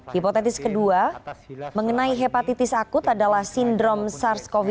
hipotetis kedua mengenai hepatitis akut adalah sindrom sars cov dua